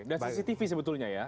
dan cctv sebetulnya ya